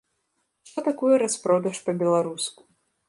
Што такое распродаж па-беларуску?